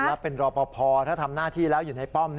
แล้วเป็นรอปภถ้าทำหน้าที่แล้วอยู่ในป้อม